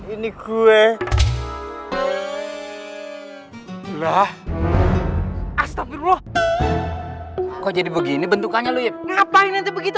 ini gue lah astagfirullah kok jadi begini bentukannya luip ngapain begitu